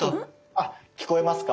あ聞こえますか。